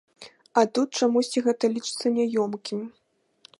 А тут чамусьці гэта лічыцца няёмкім.